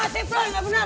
tip lo yang gak benar